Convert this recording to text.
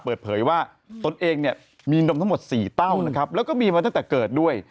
เปิดเผยว่าตนเองเนี่ยมีนมทั้งหมด๔เต้านะครับแล้วก็มีมาตั้งแต่เกิดด้วย